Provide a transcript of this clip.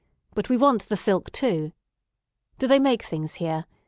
But we want the silk too. Do they make things here?